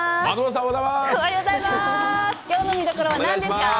今日の見どころは何ですか？